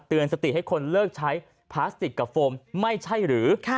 สติให้คนเลิกใช้พลาสติกกับโฟมไม่ใช่หรือ